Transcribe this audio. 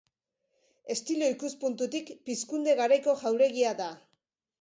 Estilo ikuspuntutik pizkunde garaiko jauregia da.